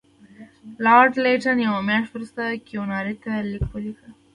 لارډ لیټن یوه میاشت وروسته کیوناري ته لیک ولیکه.